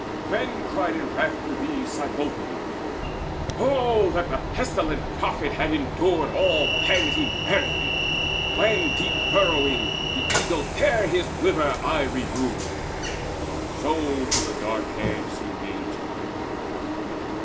Then cried in wrath to these Cymothoe: "O that the pestilent prophet had endured All pangs he merited, when, deep burrowing, The eagle tare his liver aye renewed!" So to the dark haired Sea maids cried the Nymph.